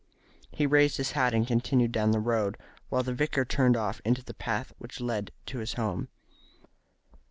He raised his hat and continued down the road, while the vicar turned off into the path which led to his home.